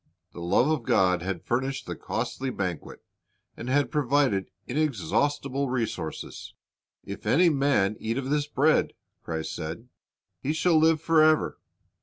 The love of God had furnished the costly banquet, and had provided inexhaustible resources. "If any man eat of this bread," Christ said, "he shall live forever."